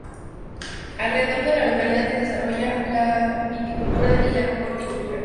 Alrededor de la localidad se desarrolla la viticultura y la horticultura.